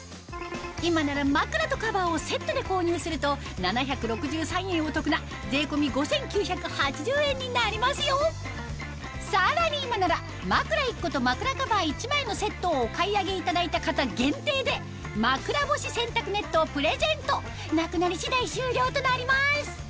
今なら枕とカバーをセットで購入するとさらに今なら枕１個と枕カバー１枚のセットをお買い上げいただいた方限定で枕干し洗濯ネットをプレゼントなくなり次第終了となります